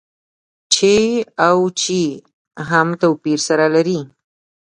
چې او چي هم توپير سره لري.